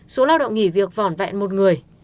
số lao động nghỉ việc vỏn vẹn một người